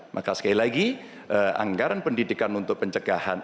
maka sekali lagi anggaran pendidikan untuk pencegahan